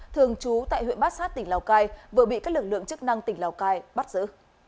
thường trú tại huyện bát sát tỉnh lào cai vừa bị các lực lượng chức năng tỉnh lào cai bắt giữ